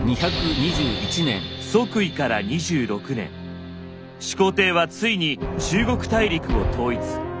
即位から２６年始皇帝はついに中国大陸を統一。